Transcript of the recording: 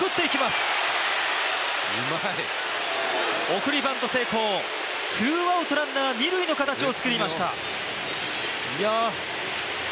送りバント成功、ツーアウトランナー二塁の形を作りました。